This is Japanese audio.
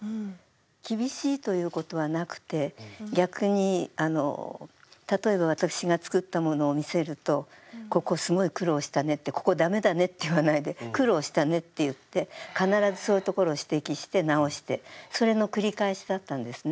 厳しいということはなくて逆に例えば私が作ったものを見せると「ここすごい苦労したね」って「ここダメだね」って言わないで「苦労したね」って言って必ずそういうところを指摘して直してそれの繰り返しだったんですね。